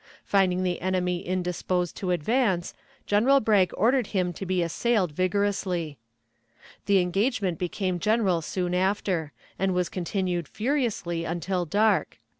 Finding the enemy indisposed to advance, General Bragg ordered him to be assailed vigorously. The engagement became general soon after, and was continued furiously until dark.